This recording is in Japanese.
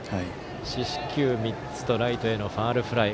四死球３つとライトへのファウルフライ。